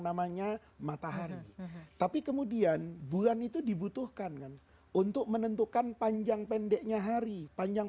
namanya matahari tapi kemudian bulan itu dibutuhkan kan untuk menentukan panjang pendeknya hari panjang